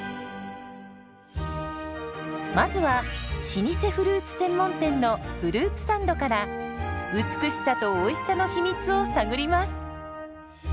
まずは老舗フルーツ専門店のフルーツサンドから美しさとおいしさの秘密を探ります。